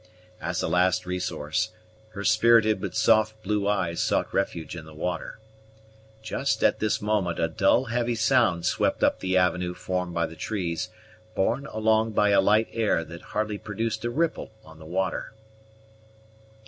As a last resource, her spirited but soft blue eyes sought refuge in the water. Just at this moment a dull, heavy sound swept up the avenue formed by the trees, borne along by a light air that hardly produced a ripple on the water.